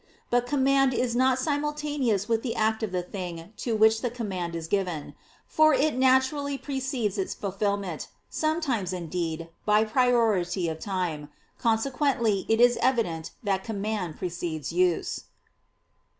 But command is not simultaneous with the act of the thing to which the command is given: for it naturally precedes its fulfilment, sometimes, indeed, by priority of time. Consequently it is evident that command precedes use.